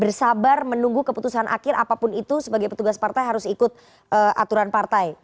bersabar menunggu keputusan akhir apapun itu sebagai petugas partai harus ikut aturan partai